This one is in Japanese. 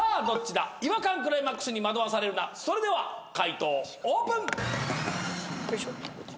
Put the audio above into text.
どっちだ違和感クライマックスに惑わされるなそれでは解答オープン！